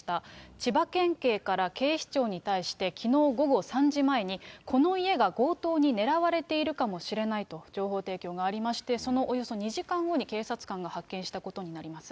千葉県警から警視庁に対して、きのう午後３時前に、この家が強盗に狙われているかもしれないと情報提供がありまして、そのおよそ２時間後に警察官が発見したことになります。